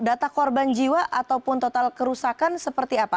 apakah total kerusakan seperti apa